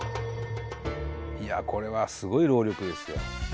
いやこれはすごい労力ですよ。